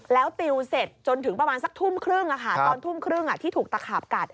แล้วติวเสร็จจนถึงประมาณสักทุ่มครึ่งตอนทุ่มครึ่งที่ถูกตะขาบกัด